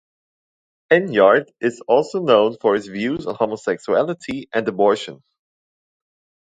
Enyart is also known for his views on homosexuality and abortion.